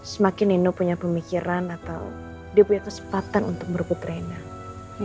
semakin nino punya pemikiran atau dia punya kesempatan untuk berhubung dengan reina